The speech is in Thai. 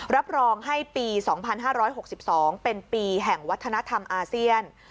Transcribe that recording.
รับรองให้ปี๒๕๖๒เป็นปีแห่งวัฒนธรรมอาเซียน